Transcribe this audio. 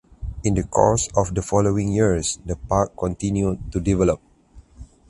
In the course of the following years the park continued to develop.